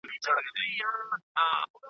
چې په "سنډې ګارډین" کې خپره شوې